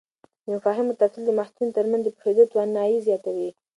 د مفاهیمو تفصیل د محصلینو تر منځ د پوهېدو توانایي زیاتوي.